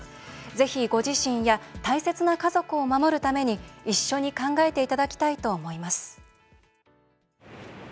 ぜひ、ご自身や大切な家族を守るために一緒に考えていただきたいと思います。